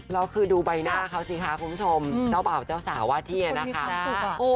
แล้วคือดูใบหน้าเขาสิคะคุณผู้ชมเจ้าบ่าวเจ้าสาวว่าที่นะคะ